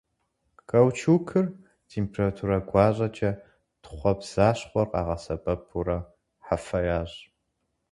Каучукыр температурэ гуащӏэкӏэ тхъуэбзащхъуэр къагъэсэбэпурэ хьэфэ ящӏ.